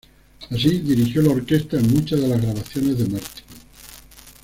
Así, dirigió la orquesta en muchas de las grabaciones de Martin.